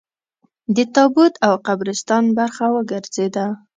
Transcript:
د تابوت او قبرستان برخه وګرځېده.